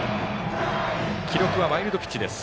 記録はワイルドピッチです。